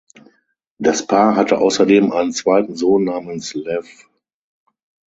Das Paar hatte außerdem einen zweiten Sohn namens Lew.